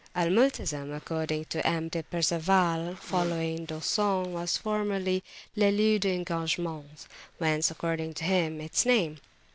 Al Multazem, according to M. de Perceval, following dOhsson, was formerly le lieu des engagements, whence, according to him, its name[.